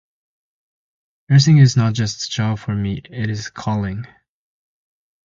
Nursing is not just a job for me, it is a calling.